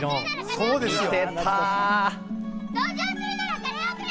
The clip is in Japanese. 同情するなら金をくれ！